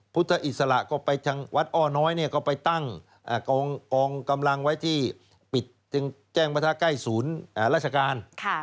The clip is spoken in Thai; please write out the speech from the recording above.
พุทธอิสระก็ไปทางวัดอ้อน้อยก็ไปตั้งกองกำลังไว้ที่ปิดแจ้งประทะใกล้ศูนย์ราชการ